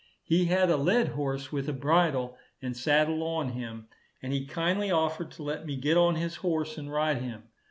He had a led horse, with a bridle and saddle on him, and he kindly offered to let me get on his horse and ride him.